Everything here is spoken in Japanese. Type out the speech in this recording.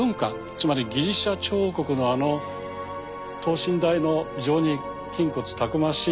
つまりギリシャ彫刻のあの等身大の非常に筋骨たくましい。